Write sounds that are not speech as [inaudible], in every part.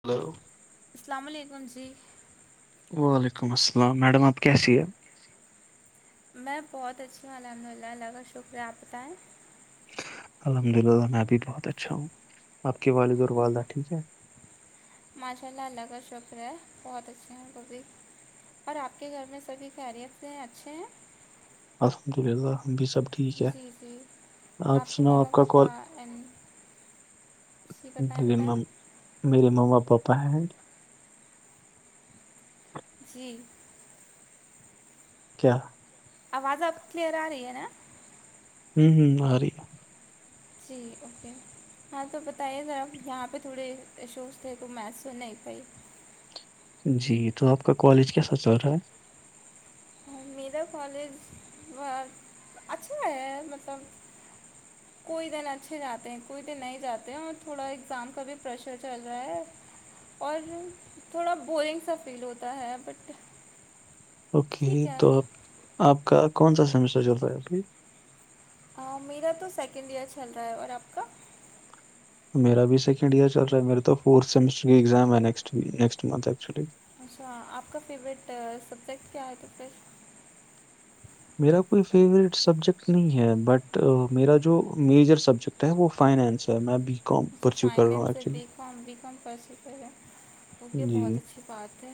hello السلام علیکم جی وعلیکم السلام میڈم آپ کیسی ہے میں بہت اچھی ہوں الحمد للہ اللہ کا شکریہ آپ بتائیں الحمد للہ میں ابھی بہت اچھا ہوں آپ کے والد اور والدہ ٹھیک ہے ماشاء اللہ اللہ کا شکر ہے بہت اچھے ہیں وہ بھی اور آپ کے گھر میں سبھی خیریت اچھے ہیں الحمد للہ ہم بھی سب ٹھیک ہے جی جی آپ کے سناؤ ممی کا پاپا کال این جی بتائیں میرے بتائیں مم- میرے ماما پاپا ہیں جی کیا آواز اب کلیئر آ رہی ہے نا ہوں ہوں آرہی ہے جی اوکے ہاں تو بتائیے ذرا یہاں پہ تھوڑے ایشوز تھے کوئی میس س نہیں پائی جی تو آپ کا کالج کیسا چل رہا ہے میرا کالج بہت اچھا ہے مطلب [inaudible] کوئی دن اچھے جاتے ہیں کوئی دن نہیں جاتے ہیں اور تھوڑا اگزام کا بھی پریشر چل رہا ہے اور تھوڑا بورنگ سا فیل ہوتا ہے بٹ اوکے ٹھیک ہے توب آپ کا کون سا سیمسٹر چل رہا ہے ابھائی ہ میرا تو سیکنڈ ایئر چل رہا ہے اور آپ کا میرا بھی سیکینڈ ایئر چ رہا ہےیرے تو فورتھمسٹر کی ایگزام ہے next week next month actually اچھا آپ کا فیوریٹ سبجیکٹ کیا ہے تب پس میرا کوئی فیورٹ سبجیکٹ نہیں ہے بٹ میرا جو میجر سبجیکٹ وہ فائنس ہے میں بی کام اچھا پرچو کر رہا ہوں فائنینس ہے ایکچولی بی کام بھی کم پرس پ ہے کیونکہ جی بہت اچھی بات ہے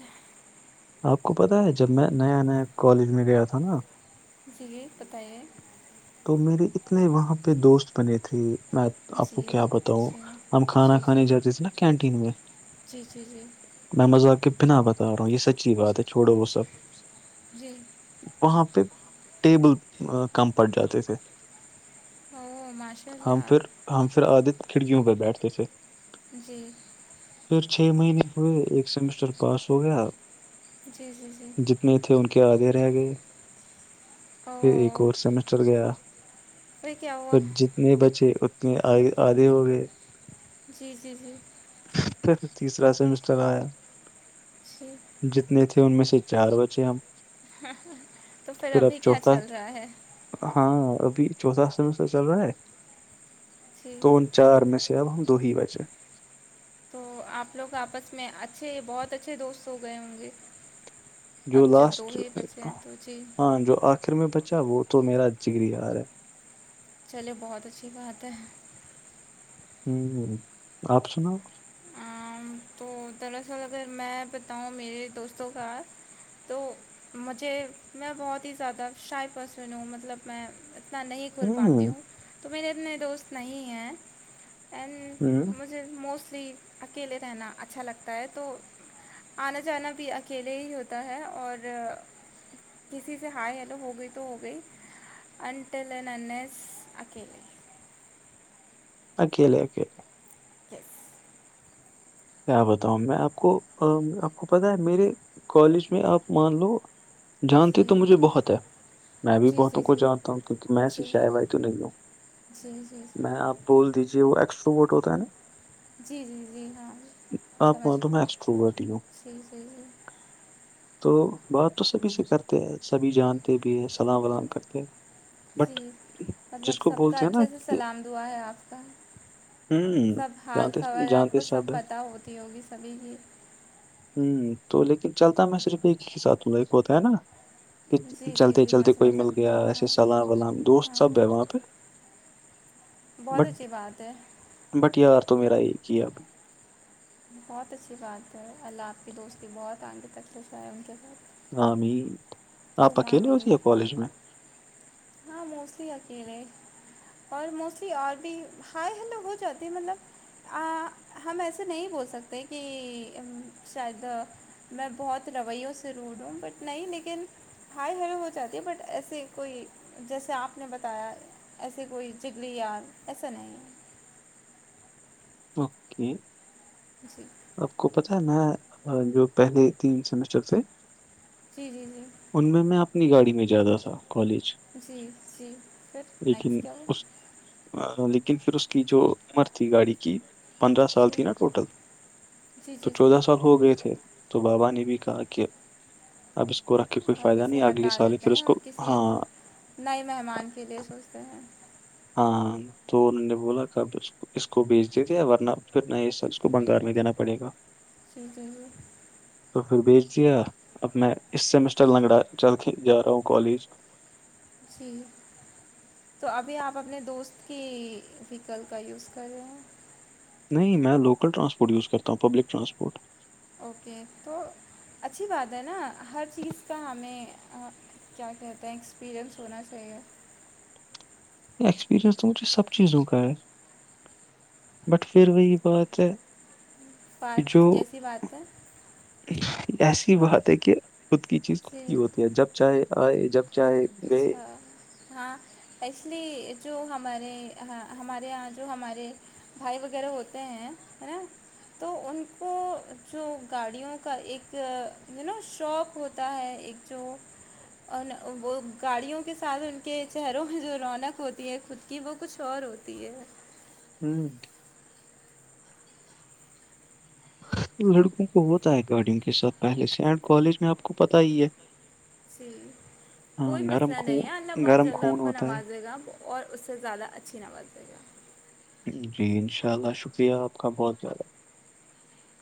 آپ کو پتاہ ہے جب میں نیا نیا کالج میں گیا تھا نا جی بتائیے تو میرے اتنے وہاں پہ دوست بنے تھے میں آپ کو جی کیا بتاؤں جی ہم کھانا جی جی کھانے جاتے تھے نا کینٹین میں جی جی جی میں مذاق کے بنا بتا رہا ہوں یہ سچی بات ہے چھوڑو وہ سب جی وہاں پہ ٹیبل کم پٹ جاتے تھے ا ماشاء ہم اللہ پھر ہم پھر عادت کھڑکیوں پر بیٹھتے تھ جی پھر چھ مہینے ہوئے ایک سیمسٹر پاس ہو گیا جی جی جی میں تھے ان کے آدے رہ گئے پھر ایک اوہ اور سیمسٹر گیا پھر کیا پ ہوا جتنے بچے اتنے آھے ہو گئے جی جی جی پھر تیسرا سیمسٹر آیا جی جتنے تھے ان میں سے چار بچے ہم تو پھر اب ابھی کیا چوتھا چل رہا ہے ہاں ابھی چوتھا سمر چل رہا ہے جی تو ان چار میں سے اب ہم دو ہی بچے تو آپ لوگ آپس میں اچھے بہت اچھے دوست ہو گئے ہوں گے جو اب جب لاسٹ دو ہی بچے ہیں تو جی ہاں جو آخر میں بچا وہ تو میرا جگری آ رہا ہے چلے بہت اچھی بات ہے ہوں آپ سناؤ آم، تو دراصل اگر میں بتاؤں میرے دوستوں کا تو مجھے میں بہت ہی زیادہ شائفسن ہوں مطلب میں اتنا نہیں کھل پاتی ہوں تو میرے اتنے دوست نہیں ہیں اینڈ ہوں مجھ مجھے موسٹلی اکیلے رہنا اچھا لگتا ہے تو آنا جانا بھی اکیلے ہی ہوتا ہے اور کسی سے ہائے ہیلو ہو گئی تو ہو گئی اننٹ ل ن نے اکیلی آکے الے آکے الے ٹھ کیا بتاؤں میں آپ کو آپ کو پتا ہے میرے کالج میں آپ مان لو جانتی جی تو مجھے بہت ہے میں بھی جی بہتوں جی کو جانتا ہوں کیوںہ میں سے جی جی شا بائی تو نہیں ہوں جی جی جی آپ بول دیجیے وہ ایکسٹرو ووٹ ہوتا ہے نا جی جی جی ہاں آپ سمجھ تو میں گئے ایکسٹروورٹی ہوں جی جی جی تو بات تو سبھی سے کرتے ہیں سبھی جانتے بھی ہیں سلام ولام کرتے ہیں جی بٹ مطلب جس کو سب کا بولتے ہیں نا اچھے سے کہ سلام دعا ہے آپ کا ہوں سب حال جانتے خبر آپ جانتے کو سب ہے، پتہ ہوتی ہوگی سبھی کی ہوں تو لیکن چلتا میں صرف ایک ہی ساتھ دوں ایک ہوتا ہے نا کہ جی جی چلتے جی میں چلتے کوئی سمجھ مل سکتی گیا ہوں ہاں ایسے سلام ولام دوست ہاں سب ہے ہاں وہاں پہ بہت بٹ اچھی بات ہے بٹ یار تو میرا یہ کیا آب بہت اچھی بات ہے اللہ آپ کی دوستی بہت آنگے تک پس آ ہے ان کے ساتھ ہامد آپ ثم اکیلے آمین ہوجیے کالج میں ہاں موسییا کی رہے اور موسٹلی اور بھی ہائے ہلو ہو جاتی مطلب ہم ایسے نہیں بول سکتے کہ شاید میں بہت رویوں سے روڈ ہوں بٹ نہیں لیکن ہائے ہلو ہو جاتی ہے بٹ ایسے کوئی جیسے آپ نے بتایا ایسے کوئی جگلی یار ایسا نہیں ہے اوکے جی آپ کو پتا ہے میں جو پہلے تین سیمسٹر سے جی جی جی ان میں میں اپنی گاڑی میں جیادا تھا کالج جی جی سر لیکن نیکسٹ اس لیکن پھر اس کی جو عمر تھی گاڑی کی پندرہ سال جی تھی نا ٹوٹل جی تو جی جی چودہ سال ہو گئے تھے تو بابا نے بھی کہا کہ اب اس کو رکھ کے کوئی آپ فائدہ اسے نہیں اگلے سال پھر اس کو ہاں نہیں مہمان کے لیے سوچتے ہیں ہاں تو ان نے بولا کاب اس کو بیچ دیتےے ورنہ پھر نہ یہ سب اس کو بنگال میں دینا پڑے گا ٹھیک ہے جی تو پھر بھیج دیا اب میں اس سیمسٹر لنگڑا چل کے جا رہا ہوں کالج جی تو ابھی آپ اپنے دوست کی ویکل کا یوز کر رہے ہیں نہیں میں لوکل رسپورٹ یوز کرتا ہوں پبلک ٹرانسپورٹ اوکے تو اچھی بات ہے نا ہر چیز کا ہمیں کیا کہتے ہیں ایکسپیریئنس ہونا چاہیے اکسپیرینس تو سب چیزوں کا ہے بٹ پھر وہی بات ہے کہ جو بات کیسی بات ہے ایسی بات ہے کہ خود کی چیز خود جی کی ہوتی ہے جب چاہے آئے جب چاہے گئے اچھا ہاں اس لی جو ہمارے ہمارے یہاں جو ہمارے بھائی وغیرہ ہوتے ہیں نا تو ان کو جو گاڑیوں کا ایک ی نو شوق ہوتا ہے ایک جو ان وہ گاڑیوں کے ساتھ ان کے چہروں میں جو رونق ہوتی ہے خود کی وہ کچھ اور ہوتی ہے ہوں لڑکوں کو ہوتا ہے گارڈنگ کے ساتھ پہلے سے اینڈ کالج میں آپ کو پتا ہی ہے جی ہاں کوئی گرم مسئلہ نہیں ہے اللہ خون بہت گرم جلد خون آپ کو ہوتا نوازے گا اور اس سے زیادہ اچھی نواز دے گا جی انشاء اللہ شکریہ آپ کا بہت زیادہ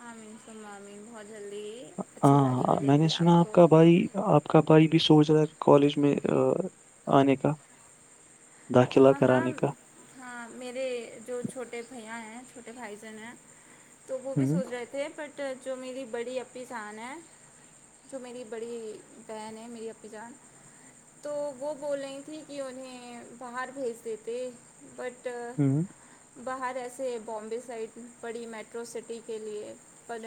ہاں سم بہت جلدی اچھی گاڑی ہاں ملے میں نے گی سنا آپ کو کا بھائی آپ آپ کا بھائی بھی سوچ رہا ہے کالج میں آنے کا داخلہ ہاں ہاں کرانے کا ہاں میرے جو چھوٹے بھیا ہیں چھوٹے بھائی جن ہیں تو وہ بھی ہوں سوچ رہے تھ تھ بٹ جو میری بڑی پنیچان ہے جو میری بڑی بہن ہے میری اپنی جان تو وہ بول رہی تھیں کہ انہیں باہر بھیج دیتے بٹ ہوں باہر ایسے ہے بامبے سائڈ پڑی میٹرو سٹی کے لیے پر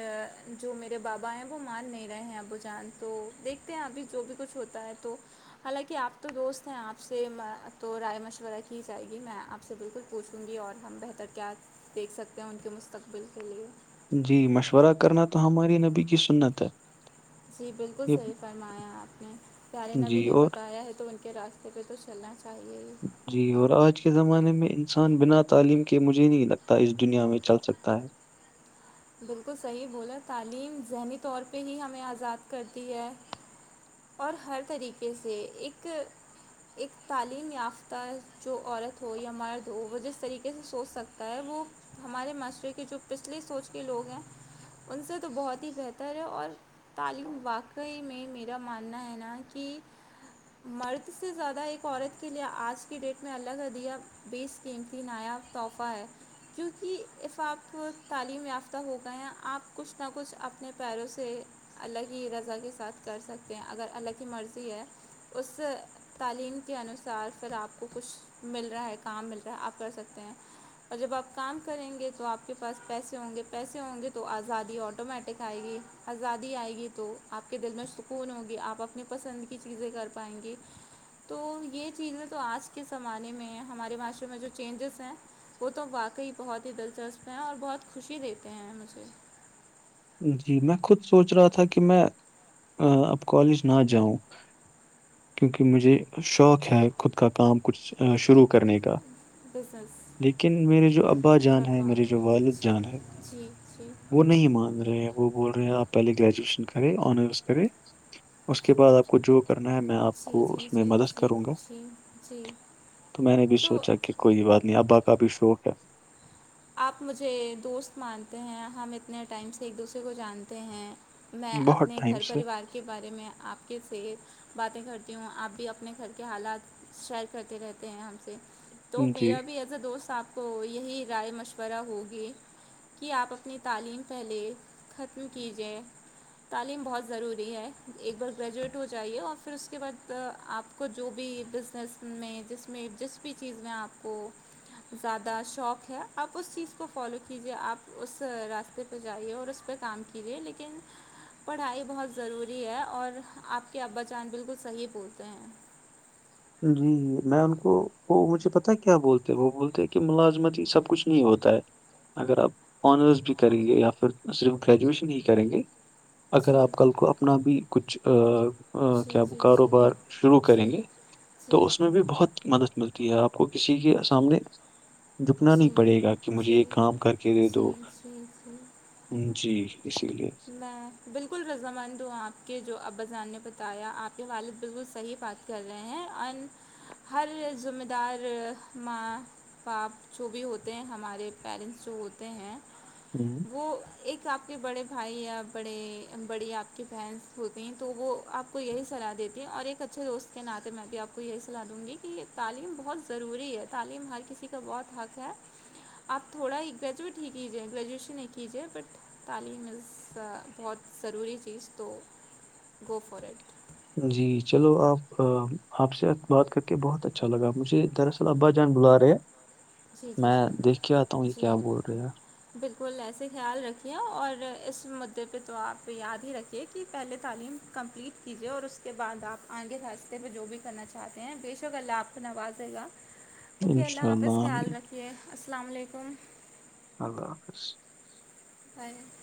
جو میرے بابا ہیں وہ مار نہیں رہے ہیں ابو جان تو دیکھتے ہیں ابھی جو بھی کچھ ہوتا ہے تو حالانکہ آپ تو دوست ہیں آپ سے تو رائے مشورہ کی جائے گی میں آپ سے بالکل پوچھوں گی اور ہم بہتر کیا دیکھ سکتے ہیں ان کے مستقبل کے لیے جی مشورہ کرنا تو ہماری نبی کی سنت ہے جی بالکل یہ صحیح فرمایا آپ نے قلی نبی جی نے اور بتایا ہے تو ان کے راستے پہ تو چلنا چاہیے ہی جی اور آج کے زمانے میں انسان بنا تعلیم کے مجھے نہیں لگتا اس دنیا میں چل سکتا ہے بالکل صحیح بولا تعلیم ذہنی طور پہ ہی ہمیں آزاد کرتی ہے اور ہر طریقے سے ایک ایک تعلیم یافتہ جو عورت ہو یا مرد ہو وہ جس طریقے سے سوچ سکتا ہے وہ ہمارے معاشرے کے جو پچھلی سوچ کے لوگ ہیں ان سے تو بہت ہی بہتر ہے اور تالو واقعی میں میرا ماننا ہے نا کہ مرد سے زیادہ ایک عورت کے لیے آج کی ڈیٹ میں اللہ کا دیہ بیس قیمتی نایاب تحفہ ہے کیونکہ اسف آپ کو تعلیم یافتہ ہو گئے ہیں آپ کچھ نہ کچھ اپنے پیروں سے الگ ہی رضا کے ساتھ کر سکتے ہیں اگر الگ کی مرضی ہے اس تعلیم کے انوسار پھر آپ کو کچھ مل رہا ہے کام مل رہا ہے آپ کر سکتے ہیں اور جب آپ کام کریں گے تو آپ کے پاس پیسے ہوں گے پیسے ہوں گے تو آزادی آٹومیٹک آئے گی آزادی آئے گی تو آپ کے دل میں فون ہوگی آپ اپنی پسند کی چیزیں کر پائیں گی تو یہ چیزیں تو آج کے زمانے میں ہمارے معاشرے میں جو چینجز ہیں وہ تو واقعی بہت ہی دلچسپ ہیں اور بہت خوشی دیتے ہیں مجھے جی میں خود سوچ رہا تھا کہ میں اب کالج نہ جاؤں کیونکہ مجھے شوق ہے خود کا کام کچھ شروع کرنے کا بزنس لیکن میرے جو ابا جان ہے ویاپار میرری جو والد جی جان ہے جی جی وہ نہیں مان رہے ہیں وہ بول رہے آپ پہلے گریجویشن کرے آنرس کرے اس کے بعد آپ کو جو کرنا ہے میں آپ آ جی کو جی اس میں جی مدد جی کروں گا جی جی تو میں نے بھی تو سوچا کہ کوئی بات نہیں ابا کا بھی شوق ہے آپ مجھے دوست مانتے ہیں ہم اتنے ٹائم سے ایک دوسرے کو جانتے ہیں میں بہت اپنے ٹائم گھر سے پریوار کے بارے میں آپ کے سے باتیں کرتی ہوں آپ بھی اپنے گھر کے حالات شیئر کرتے رہتے ہیں ہم سے تو جی میرا بھی ایز اے دوست آپ کو یہی رائے مشورہ ہوگی کہ آپ اپنی تعلیم پہلے ختم کیجیے تعلیم بہت ضروری ہے ایک بار گریجویٹ ہو جائیے اور پھر اس کے بعد آپ- کو جو بھی بزنس میں جس, میں جس, بھی, چیز میں آپ کو- زیادہ شوق اپ اس چیز کو فالو کیجیے اپ اس راستے پہ جائیے اور اس پہ کام کیجیے لیکن- پڑھائی بہت ضروری ہے, اور آپ کے ابا جان بالکل صحیح بھولتے ہیں- جی میں ان کو وہ مجھے پتا کیا بولتے وہ بولتے ہیں کہ ملازمتی سب کچھ نہیں ہوتا ہے- اگر آپ آنرس بھی کریں گے یا پھر صرف گریجویشن ہی کریں گے اگر جی آپ کل کو اپنا بھی کچھ جی کیا جی جی کاروبار شروع جی کریں گے- تو جی اس میں بھی بہت مدد ملتی ہے آپ کو کسی کے سامنے- دکنا جی نہیں پڑے گا کہ مجھے جی ایک کام کر کے دے دو- جی جی جی جی اسی لیے میں بالکل رضامند ہوں آپ کے جو اباذان نے بتایا آپ کے والد بالکل صحیح پاتے- کر رہے ہیں اور ہر ذمہ دار م- پاپ جو بھی ہوتے ہیں ہمارے پیرنٹس جو ہوتے ہیں- ہ وہ ایک آپ کے بڑے- بھائی یا بڑے بڑی آپ کی بہنس ہوتی ہیں تو وہ آپ کو یہی صلاح دیتی ہیں اور ایک اچھے دوست- کے ناطے میں بھی آپ کو یہی صلاح دوں گی کہ تعلیم بہت ضروری ہے تعلیم ہر کسی کا بہت حق ہے- اب تھوڑا ایکچول ٹھیک ہی گریجویشن ایک ہی جائے بٹ تعلیم میں- بہت ضروری چیز تو گو فارڈ- جی چلو آپ- آپ سے بات کر کے بہت اچھا لگا مجھے دراصل- چل ابا جان بلا رہے جی جی میں جی دیکھ کیا تو یہ کیا جی بول رہےا- بالکل ایسے خیال رکھیے اور اس مدعے پہ تو آپ یاد ہی رکھیے کہ پہلے تعلیم- کمپلیٹ کیجیے اور اس کے بعد آپ آگے راستے میں جو بھی کرنا چاہتے ہیں بےشک اللہ آپ کو نوازے گا- [inaudible] اوکے اللہ آاپس انشاءاللہ خیال آمین رکھیے السلام علیکم- اللہ حافظ بی